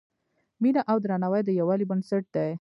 مینه او درناوی د یووالي بنسټ دی.